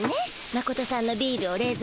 マコトさんのビールをれいぞう